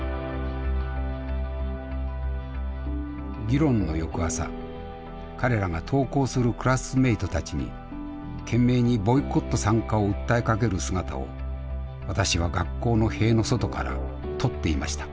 議論の翌朝彼らが登校するクラスメイトたちに懸命にボイコット参加を訴えかける姿を私は学校の塀の外から撮っていました。